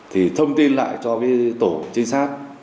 thì thông tin lại cho cái tổ trinh sát